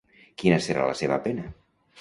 Quina serà la seva pena?